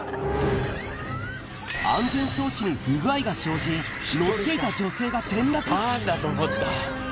安全装置に不具合が生じ、乗っていた女性が転落。